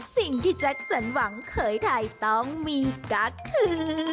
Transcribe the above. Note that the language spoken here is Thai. สิ่งที่แจ็คสันหวังเคยถ่ายต้องมีก็คือ